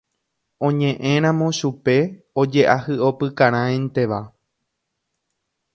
Oñeʼẽramo chupe ojeahyʼopykarãinteva.